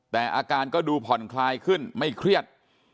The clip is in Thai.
แต่อาการก็ดูผ่อนคลายขึ้นไม่เครียด